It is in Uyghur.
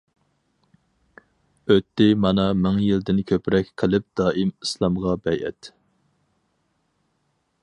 ئۆتتى مانا مىڭ يىلدىن كۆپرەك قىلىپ دائىم ئىسلامغا بەيئەت.